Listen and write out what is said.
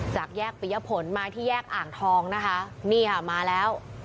จากแยกปริยผลมาที่แยกอ่างทองนะคะนี่ค่ะมาแล้ว